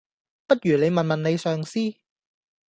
不如你問問你上司?